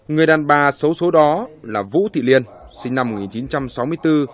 người đàn bà số số đó là vũ thị liên sinh năm một nghìn chín trăm sáu mươi bốn